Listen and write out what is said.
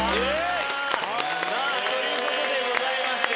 さあという事でございまして。